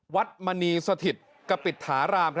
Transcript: วัดมณีสถิตกระปิดฐาราม